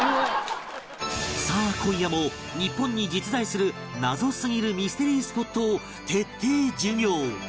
さあ今夜も日本に実在する謎すぎるミステリースポットを徹底授業